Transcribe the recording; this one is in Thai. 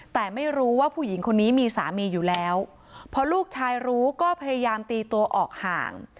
แต่ไม่รู้ว่าผู้หญิงคนนี้มีสามีอยู่แล้วพอลูกชายรู้ก็พยายามตีตัวออกห่าง